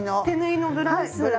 手縫いのブラウス。